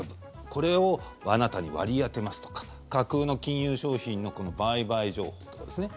これをあなたに割り当てますとか架空の金融商品の売買情報とかですね。